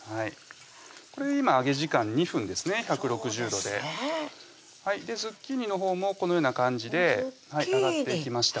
これ今揚げ時間２分ですね１６０度でズッキーニのほうもこのような感じで揚がっていきました